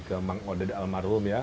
kemang oded almarhum ya